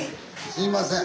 すいません。